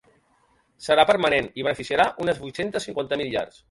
Serà permanent i beneficiarà unes vuit-cents cinquanta mil llars.